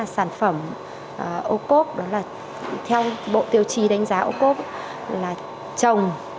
sản phẩm ô cốp theo bộ tiêu chí đánh giá ô cốp là trồng